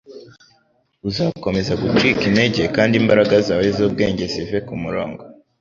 uzakomeza gucika intege, kandi imbaraga zawe z’ubwenge zive ku murongo.